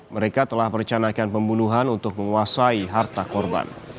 mereka telah merencanakan pembunuhan untuk menguasai harta korban